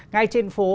ngay trên phố